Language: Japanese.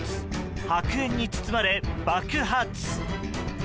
白煙に包まれ、爆発。